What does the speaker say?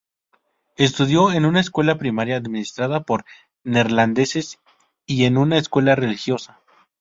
Estudió en una escuela primaria administrada por neerlandeses y en una escuela religiosa.